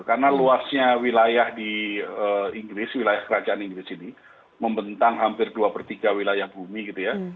karena luasnya wilayah di inggris wilayah kerajaan inggris ini membentang hampir dua per tiga wilayah bumi gitu ya